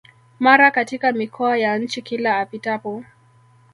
mara katika mikoa ya nchi Kila apitapo